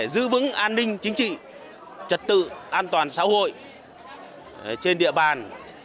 giữ vững an ninh chính trị trật tự an toàn xã hội trên địa bàn